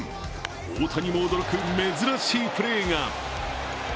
大谷も驚く珍しいプレーが。